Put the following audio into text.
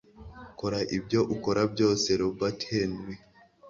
kora ibyo ukora byose. - robert henri